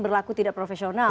berlaku tidak profesional